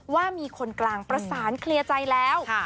ว่ามีคนกลางประสานเคลียร์ใจแล้ว